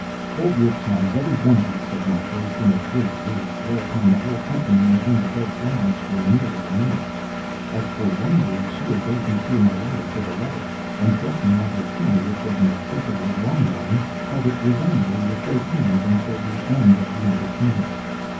"Hold your tongues, every one of you!" said my host, in a great rage. Whereupon the whole company maintained a dead silence for nearly a minute. As for one lady, she obeyed Monsieur Maillard to the letter, and thrusting out her tongue, which was an excessively long one, held it very resignedly, with both hands, until the end of the entertainment.